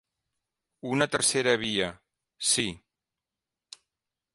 Una tercera via, sí.